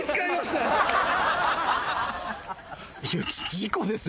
事故ですよ